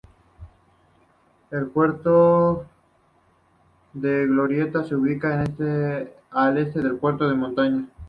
El pueblo de Glorieta se ubica al este del puerto de montaña.